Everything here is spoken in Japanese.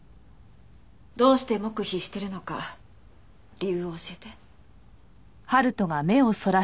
どうして黙秘しているのか理由を教えて。